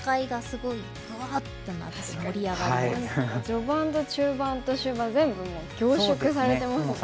序盤と中盤と終盤全部もう凝縮されてますもんね。